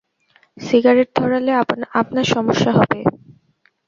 Cigarette ধরালে আপনার সমস্যা হবে?